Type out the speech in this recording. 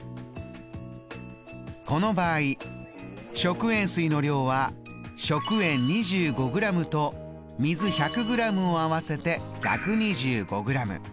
この場合食塩水の量は食塩２５ｇと水１００ｇを合わせて１２５ｇ。